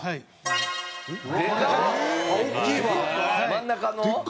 真ん中の？